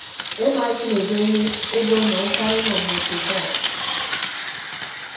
Emaesịn ebeeñe ebo nọ ukara enọ mmoto bọọs.